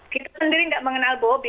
kita sendiri nggak mengenal bobi